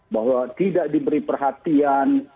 bahwa tidak diberi perhatian